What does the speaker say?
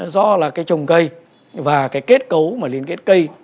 do là cái trồng cây và cái kết cấu mà liên kết cây